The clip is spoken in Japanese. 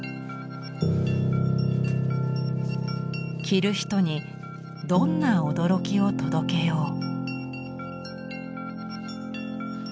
着る人にどんな驚きを届けよう。